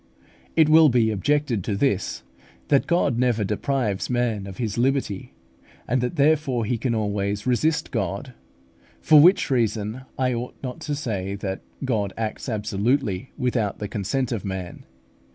It will be objected to this, that God never deprives man of his liberty, and that therefore he can always resist God; for which reason I ought not to say that God acts absolutely, without the consent of man.